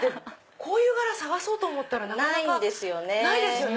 こういう柄探そうと思ったらないですよね